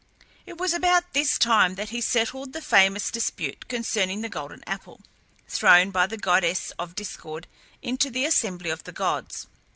It was about this time that he settled the famous dispute concerning the golden apple, thrown by the goddess of Discord into the assembly of the gods.